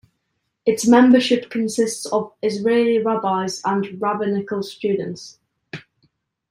Its membership consists of Israeli Rabbis and rabbinical students.